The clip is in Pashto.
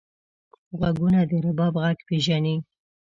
غوږونه د رباب غږ پېژني